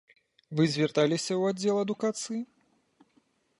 Вы звярталіся ў аддзел адукацыі?